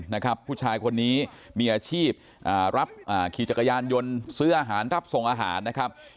นะครับผู้ชายคนนี้มีอาชีพรับขี่จักรยานยนต์ซื้ออาหารรับส่งอาหารนะครับ